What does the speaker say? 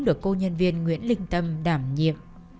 được cô nhân viên nguyễn linh tâm đảm nhiệm